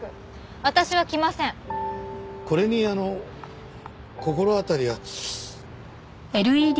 これにあの心当たりは？